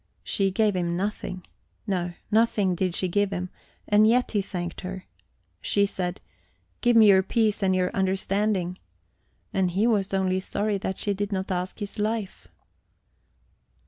She gave him nothing no, nothing did she give him and yet he thanked her. She said, "Give me your peace and your understanding!" and he was only sorry that she did not ask his life.